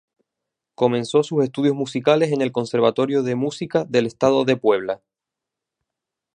Comenzó sus estudios musicales en el Conservatorio de Música del Estado de Puebla.